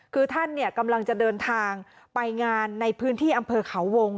คือท่านกำลังจะเดินทางไปงานในพื้นที่อำเภอเขาวง